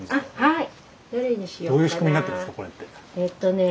はい。